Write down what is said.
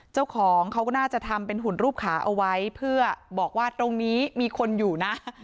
เจ้าของเขาก็น่าจะทำเป็นหุ่นรูปขาเอาไว้เพื่อบอกว่าตรงนี้มีคนอยู่นะ